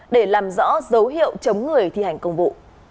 để làm rõ dấu hiệu chống người thi hành công vụ